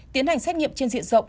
tiến hành xét nghiệm trên diện rộng